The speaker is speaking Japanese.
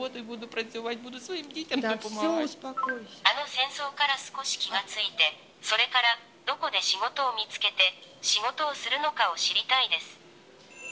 あの戦争から少し気が付いて、それからどこで仕事を見つけて、仕事をするのかを知りたいです。